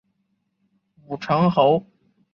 武城侯。